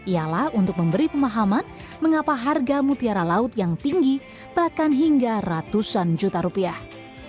ialah untuk memberi pemahaman mengapa harga mutiara laut yang tinggi bahkan hingga ratusan juta rupiah